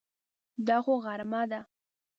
دا خو غرمه ده!